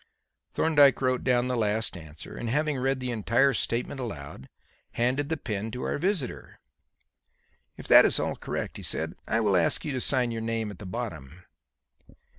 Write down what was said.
Thorndyke wrote down the last answer, and, having read the entire statement aloud, handed the pen to our visitor. "If that is all correct," he said, "I will ask you to sign your name at the bottom."